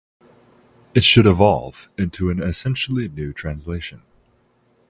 it should evolve into an essentially new translation.